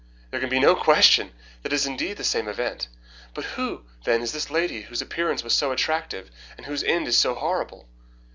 There can be no question that it is indeed the same event. But who, then, is this lady whose appearance was so attractive and whose end was so horrible?"